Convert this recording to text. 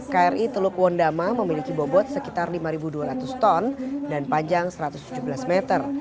kri teluk wondama memiliki bobot sekitar lima dua ratus ton dan panjang satu ratus tujuh belas meter